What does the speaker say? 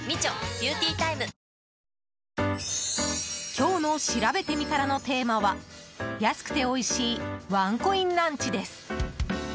今日のしらべてみたらのテーマは安くておいしいワンコインランチです。